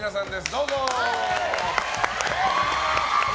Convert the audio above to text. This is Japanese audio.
どうぞ！